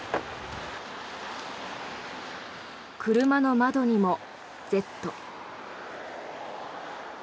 車の窓にも「Ｚ」。